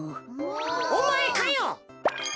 おまえかよ！